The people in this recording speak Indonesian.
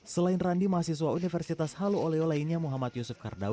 selain randi mahasiswa universitas halu oleo lainnya muhammad yusuf kardau